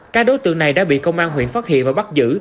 các đối tượng này đã bị công an huyện phát hiện và bắt giữ